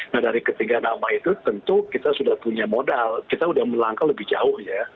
nah dari ketiga nama itu tentu kita sudah punya modal kita sudah melangkah lebih jauh ya